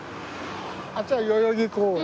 あっちは代々木公園で。